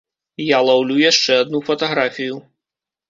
Я лаўлю яшчэ адну фатаграфію.